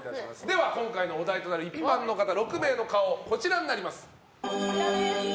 では、今回のお題となる６名の顔、こちらになります。